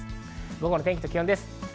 午後の天気と気温です。